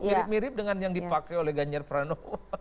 mirip mirip dengan yang dipakai oleh ganjar pranowo